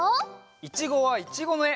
「いちごはいちご」のえ。